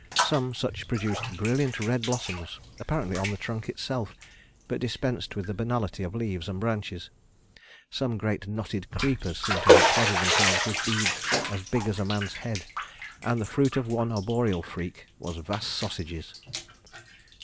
Some such produced brilliant red blossoms, apparently on the trunk itself, but dispensed with the banality of leaves and branches. Some great knotted creepers seemed to have threaded themselves with beads as big as a man's head, and the fruit of one arboreal freak was vast sausages.